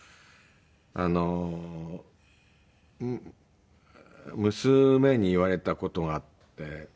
あの娘に言われた事があって。